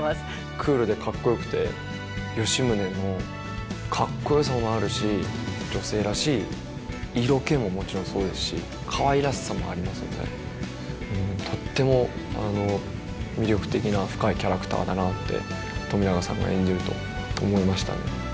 クールでかっこよくて吉宗のかっこよさもあるし女性らしい色気ももちろんそうですしかわいらしさもありますのでとっても魅力的な深いキャラクターだなって冨永さんが演じると思いましたね。